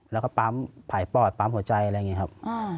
แล้วก็ปั๊มผ่ายปอดปั๊มหัวใจอะไรอย่างนี้ครับ